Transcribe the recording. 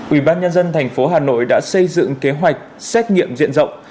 ủy ban nhân dân thành phố hà nội đã xây dựng kế hoạch xét nghiệm diện rộng